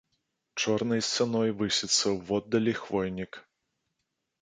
Чорнай сцяной высіцца ўводдалі хвойнік.